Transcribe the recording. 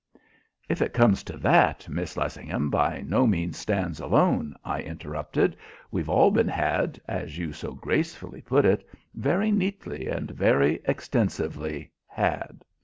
"If it comes to that, Miss Lessingham by no means stands alone," I interrupted. "We've all been had, as you so gracefully put it, very neatly and very extensively had."